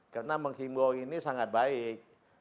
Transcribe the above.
karena menghimbau ini sangat baik